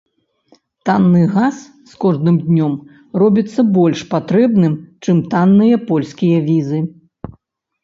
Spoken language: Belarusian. Танны газ з кожным днём робіцца больш патрэбным, чым танныя польскія візы.